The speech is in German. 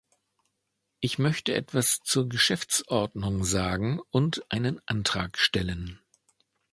Ich möchte etwas zur Geschäftsordnung sagen und einen Antrag stellen.